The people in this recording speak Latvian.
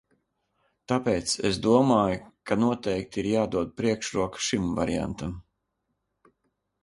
Tāpēc es domāju, ka noteikti ir jādod priekšroka šim variantam.